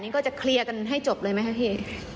นี่ก็จะเคลียร์กันให้จบเลยไหมครับพี่